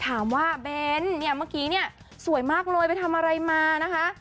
ถามว่าเบนเมื่อกี้สวยมากเลยไปทำอะไรมานะคะ